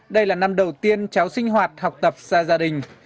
đây là năm đầu tiên cháu sinh hoạt học tập xa gia đình